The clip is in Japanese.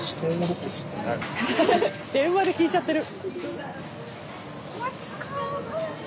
電話で聞いちゃってる。